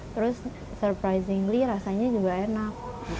terus surprizingly rasanya juga enak